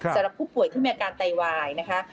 สำหรับผู้ป่วยที่มีอาการไตวายนะคะ